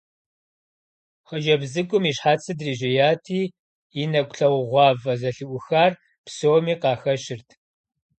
Хъыджэбз цӀыкӀум и щхьэцыр дрижьеяти, и нэкӀу лъагъугъуафӀэ зэлъыӀухар псоми къахэщырт.